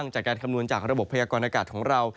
จากการคำนวณจากระบบพยากรณากาศของเรา